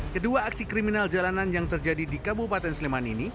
kedua aksi kriminal jalanan yang terjadi di kabupaten sleman ini